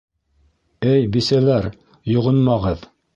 Эй, бисәләр, йоғонмағыҙ!